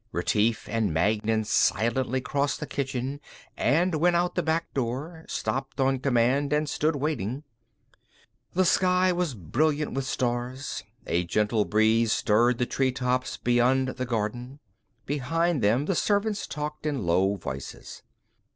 Retief and Magnan silently crossed the kitchen, went out the back door, stopped on command and stood waiting. The sky was brilliant with stars. A gentle breeze stirred the tree tops beyond the garden. Behind them the servants talked in low voices.